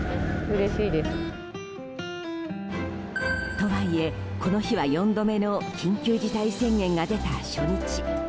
とはいえ、この日は４度目の緊急事態宣言が出た初日。